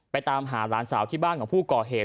ตามหาหลานสาวที่บ้านของผู้ก่อเหตุ